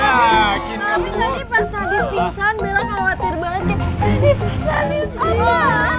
tapi tadi pas tadi pingsan bella khawatir banget ya